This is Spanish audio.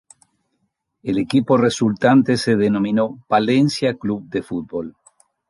El equipo resultante se denominó Palencia Club de Fútbol.